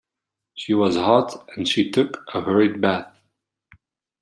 She was hot, and she took a hurried bath.